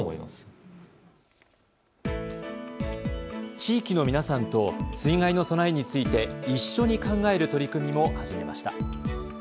地域の皆さんと水害の備えについて一緒に考える取り組みも始めました。